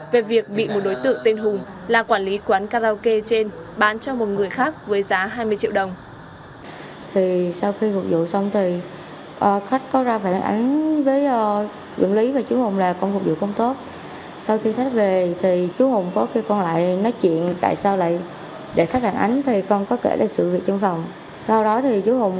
về việc bị một đối tượng tên hùng là quản lý quán karaoke trên bán cho một người khác với giá hai mươi triệu đồng